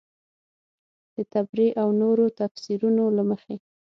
د طبري او نورو تفیسیرونو له مخې.